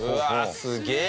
すげえ。